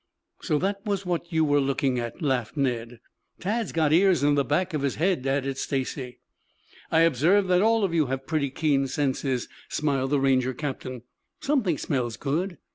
"So, that was what you were looking at?" laughed Ned. "Tad's got ears in the back of his head," added Stacy. "I observe that all of you have pretty keen senses," smiled the Ranger captain. "Something smells good."